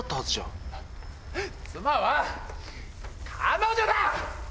妻は彼女だ！